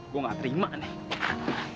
gue nggak terima nih